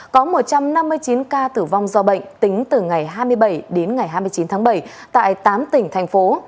có một trăm năm mươi chín ca tử vong do bệnh tính từ ngày hai mươi bảy đến ngày hai mươi chín tháng bảy tại tám tỉnh thành phố